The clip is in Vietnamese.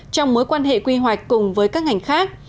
trong mối quan hệ quy hoạch cùng với các ngành khác